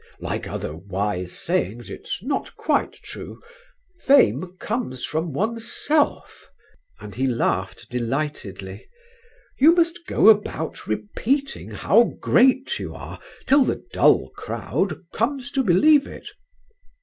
Like other wise sayings, it's not quite true; fame comes from oneself," and he laughed delightedly; "you must go about repeating how great you are till the dull crowd comes to believe it."